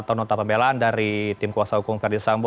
untuk pembelaan dari tim kuasa hukum sambo